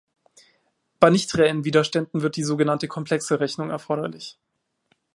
Bei nicht reellen Widerständen wird die sogenannte komplexe Rechnung erforderlich.